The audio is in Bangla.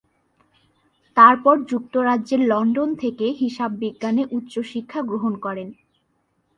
তারপর যুক্তরাজ্যের লন্ডন থেকে হিসাব বিজ্ঞানে উচ্চ শিক্ষা গ্রহণ করেন।